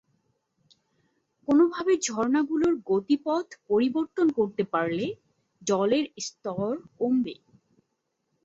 কোনোভাবে ঝর্ণাগুলোর গতিপথ পরিবর্তন করতে পারলে, জলের স্তর কমবে।